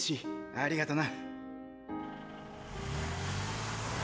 ありがとな。